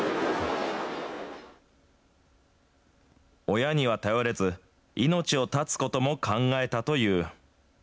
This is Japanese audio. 親には頼れず、命を絶つことも考えたという。